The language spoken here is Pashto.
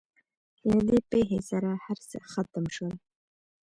له دې پېښې سره هر څه ختم شول.